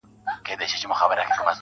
o ځوان د سگريټو تسه کړې قطۍ وغورځول.